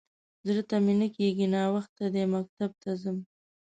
_زړه ته مې نه کېږي. ناوخته دی، مکتب ته ځم.